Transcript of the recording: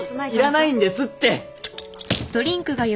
いらないんですって！